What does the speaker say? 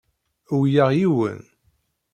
Uwyeɣ yiwen.